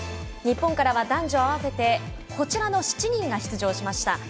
日本からは男女合わせてこちらの７人が出場しました。